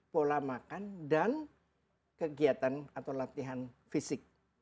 pola makan dan kegiatan atau latihan fisik